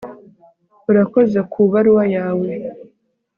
urakoze kubaruwa yawe